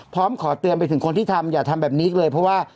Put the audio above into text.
พร้อมขอเตือนไปถึงคนที่ทำอย่าทำแบบนี้อีกเลยเพราะว่า